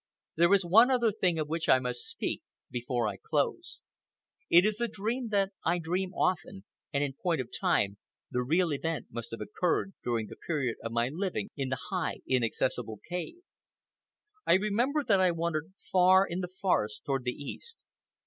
There is one other thing of which I must speak before I close. It is a dream that I dream often, and in point of time the real event must have occurred during the period of my living in the high, inaccessible cave. I remember that I wandered far in the forest toward the east.